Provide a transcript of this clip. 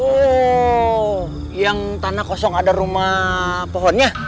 oh yang tanah kosong ada rumah pohonnya